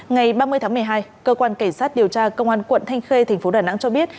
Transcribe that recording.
ngày ba mươi tháng một mươi hai cơ quan cảnh sát điều tra công an quận thanh khê thành phố đà nẵng cho biết